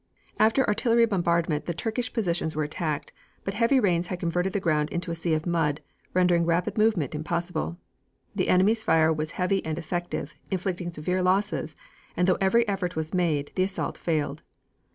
After artillery bombardment the Turkish positions were attacked, but heavy rains had converted the ground into a sea of mud, rendering rapid movement impossible. The enemy's fire was heavy and effective, inflicting severe losses, and though every effort was made, the assault failed.